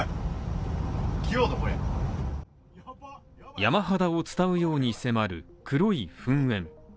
山肌を伝うように迫る黒い噴煙。